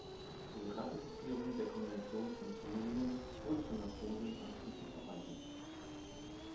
Die Ratifizierung der "Konvention von Sulingen" wurde von Napoleon anschließend verweigert.